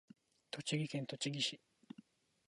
栃木県栃木市